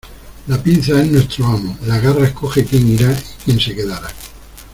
La pinza es nuestro amo. La garra escoge quién irá y quien se quedará .